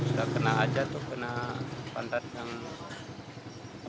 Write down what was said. sudah kena aja tuh kena pantas yang pecah